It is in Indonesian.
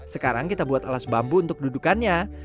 sekarang kita buat alas bambu untuk dudukannya